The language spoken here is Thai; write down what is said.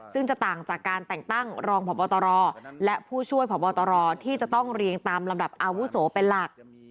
ซึ่งจะต่างจากการแต่งตั้งรองพบตรและผู้ช่วยพบตรที่จะต้องเรียงตามลำดับอาวุโสเป็นหลัก